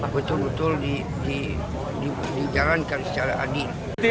betul betul dijalankan secara adil